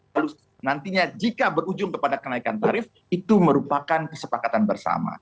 lalu nantinya jika berujung kepada kenaikan tarif itu merupakan kesepakatan bersama